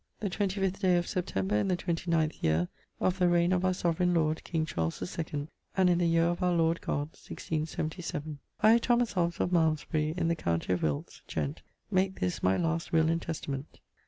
_ The 25th day of September in the 29th year of the raigne of our Soveraigne Lord, King Charles the Second, and in the yeare of our Lord God, 1677. I, Thomas Hobbes, of Malmesbury, in the county of Wilts, gent. make this my last Will and Testament.